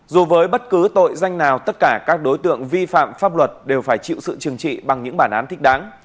dù với bất cứ tội danh nào tất cả các đối tượng vi phạm pháp luật đều phải chịu sự chừng trị bằng những bản án thích đáng